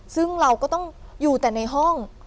ซึ่งเราก็ต้องอยู่แต่ในห้อง